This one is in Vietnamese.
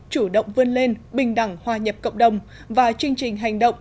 chủ động vươn lên bình đẳng hòa nhập cộng đồng và chương trình hành động